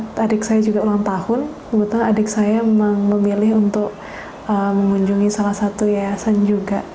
tadi adik saya juga ulang tahun kebetulan adik saya memang memilih untuk mengunjungi salah satu yayasan juga